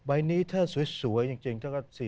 ใบนี้ถ้าสวยจริงถ้าเกิด๔๕แสนได้